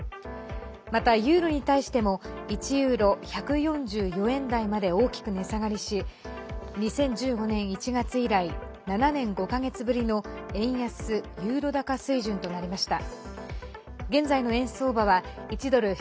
また、ユーロに対しても１ユーロ＝１４４円台まで大きく値下がりし２０１５年１月以来７年５か月ぶりの円安ユーロ高水準となりました。